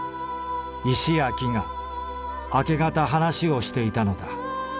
石や木が明け方話をしていたのだ。